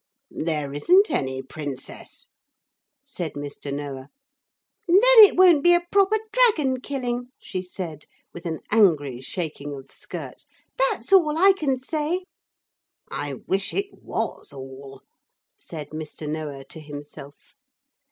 'There isn't any princess,' said Mr. Noah. 'Then it won't be a proper dragon killing,' she said, with an angry shaking of skirts; 'that's all I can say.' 'I wish it was all,' said Mr. Noah to himself.